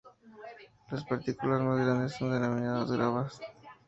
Las partículas más grandes son denominadas gravas.